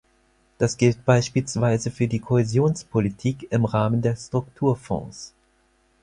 Das gilt beispielsweise für die Kohäsionspolitik im Rahmen der Strukturfonds.